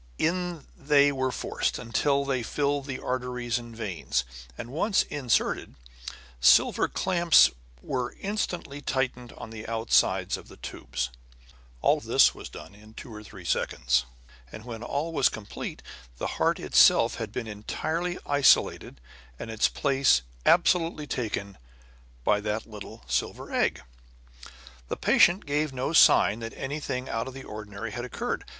In they were forced, until they filled the arteries and veins; and once inserted, silver clamps were instantly tightened on the outsides of the tubes. All this was done in two or three seconds; and when all was complete, the heart itself had been entirely isolated and its place absolutely taken by that little silver egg. The patient gave no sign that anything out of the ordinary had occurred.